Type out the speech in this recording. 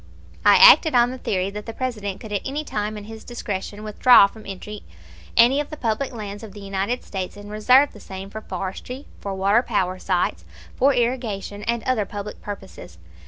I acted on the theory that the President could at any time in his discretion withdraw from entry any of the public lands of the United States and reserve the same for forestry, for water power sites, for irrigation, and other public purposes.